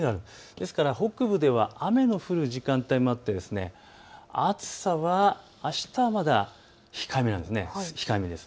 ですから北部では雨の降る時間帯もあって暑さはあしたはまだ控えめなんです。